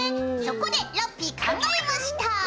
そこでラッピィ考えました。